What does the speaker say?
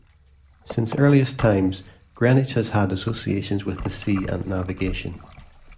Since earliest times Greenwich has had associations with the sea and navigation.